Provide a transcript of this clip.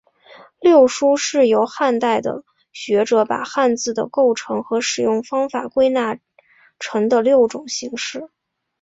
六书是由汉代的学者把汉字的构成和使用方式归纳成的六种类型。